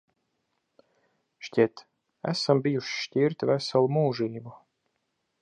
Šķiet, esam bijuši šķirti veselu mūžību.